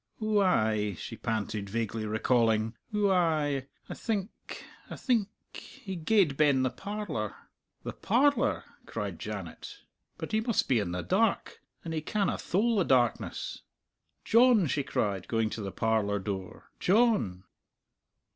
Ou ay," she panted, vaguely recalling, "ou ay. I think I think ... he gaed ben the parlour." "The parlour!" cried Janet; "but he must be in the dark! And he canna thole the darkness!" "John!" she cried, going to the parlour door, "John!"